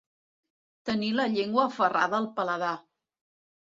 Tenir la llengua aferrada al paladar.